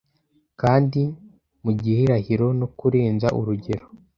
Kandi, mu gihirahiro no kurenza urugero